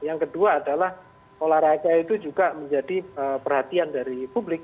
yang kedua adalah olahraga itu juga menjadi perhatian dari publik